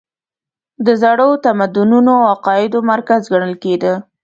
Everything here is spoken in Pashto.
د زړو تمدنونو او عقایدو مرکز ګڼل کېده.